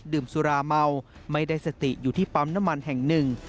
สุราเมาไม่ได้สติอยู่ที่ปั๊มน้ำมันแห่งหนึ่ง